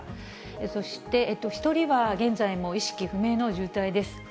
そして１人は現在も意識不明の重体です。